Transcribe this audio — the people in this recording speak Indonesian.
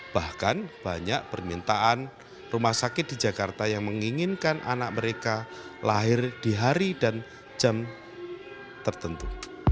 bahkan banyak permintaan rumah sakit di jakarta yang menginginkan anak mereka lahir di hari dan jam tertentu